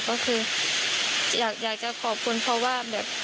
ก็คืออยากจะขอบคุณเพราะว่าแบบ